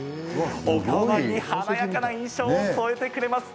お顔回りに華やかな印象を添えてくれます。